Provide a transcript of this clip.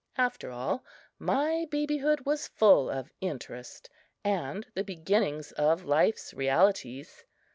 After all, my babyhood was full of interest and the beginnings of life's realities.